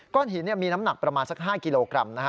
ก้อนหินมีน้ำหนักประมาณ๕กิโลกรัม